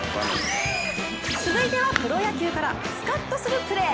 続いては、プロ野球からスカッとするプレー。